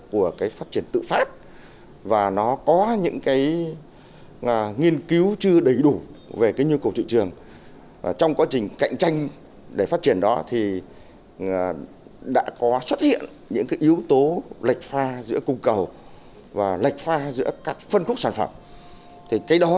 của phát triển tự phát